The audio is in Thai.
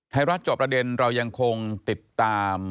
จอบประเด็นเรายังคงติดตาม